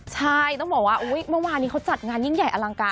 ใช่ต้องบอกว่าเมื่อวานนี้เขาจัดงานยิ่งใหญ่อลังการ